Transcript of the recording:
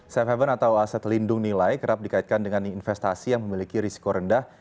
safe haven atau aset lindung nilai kerap dikaitkan dengan investasi yang memiliki risiko rendah